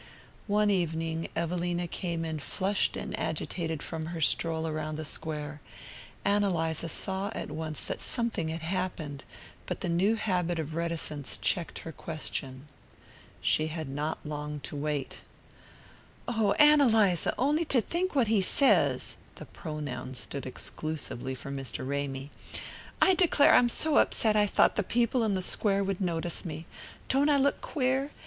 One evening Evelina came in flushed and agitated from her stroll around the Square. Ann Eliza saw at once that something had happened; but the new habit of reticence checked her question. She had not long to wait. "Oh, Ann Eliza, on'y to think what he says " (the pronoun stood exclusively for Mr. Ramy). "I declare I'm so upset I thought the people in the Square would notice me. Don't I look queer?